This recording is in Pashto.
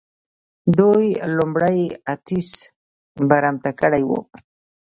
دوی لومړی اتیوس برمته کړی و